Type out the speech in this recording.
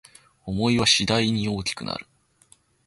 想いは次第に大きくなる